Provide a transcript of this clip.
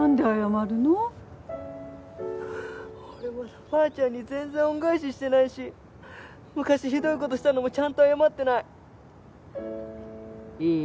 俺まだばあちゃんに全然恩返ししてないし昔ひどい事したのもちゃんと謝ってない。